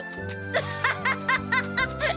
アッハハハハハ！